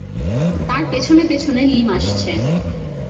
তাঁর পেছনে পেছনে লীম আসছে।